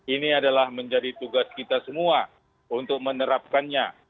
ini adalah menjadi tugas kita semua untuk menerapkannya